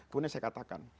kemudian saya katakan